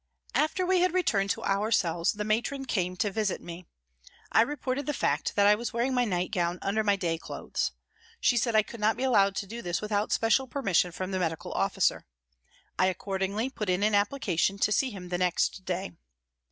After we had returned to our cells the Matron came to visit me. I reported the fact that I was wearing my nightgown under my day clothes. She said I could not be allowed to do this without special permission from the medical officer. I accordingly put in " an application " to see him the next day.